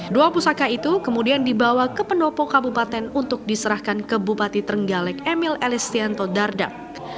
dua pusaka itu kemudian dibawa ke pendopo kabupaten untuk diserahkan ke bupati trenggalek emil elistianto dardak